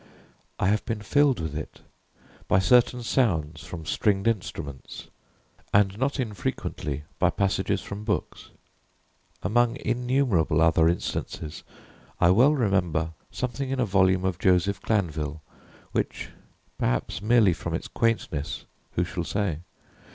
I have been filled with it by certain sounds from stringed instruments, and not unfrequently by passages from books. Among innumerable other instances, I well remember something in a volume of Joseph Glanvill, which (perhaps merely from its quaintness who shall say?)